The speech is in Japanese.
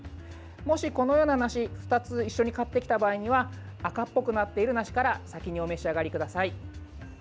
もし、このような梨２つ一緒に買ってきた場合には赤っぽくなっている梨から先にお召し上がりください。